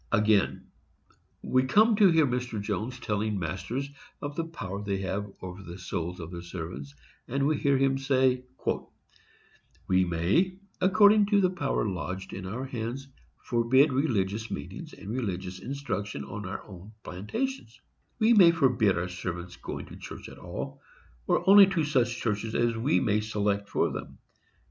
Again, we come to hear Mr. Jones telling masters of the power they have over the souls of their servants, and we hear him say, We may, according to the power lodged in our hands, forbid religious meetings and religious instruction on our own plantations; we may forbid our servants going to church at all, or only to such churches as we may select for them.